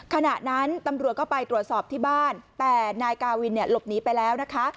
ขณะนั้นตำรวจก็ไปตรวจสอบที่บ้านแต่นายกาวินเนี่ยหลบหนีไปแล้วนะคะ